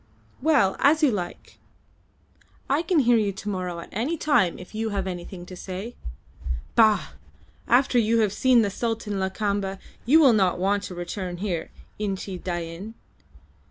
"Well, as you like. I can hear you to morrow at any time if you have anything to say. Bah! After you have seen the Sultan Lakamba you will not want to return here, Inchi Dain.